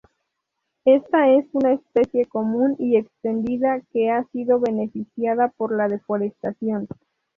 Esta es una especie común y extendida, que ha sido beneficiada por la deforestación.